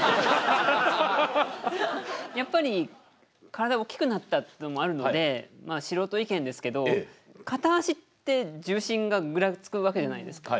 やっぱり体おっきくなったっていうのもあるのでまあ素人意見ですけど片足って重心がぐらつくわけじゃないですか。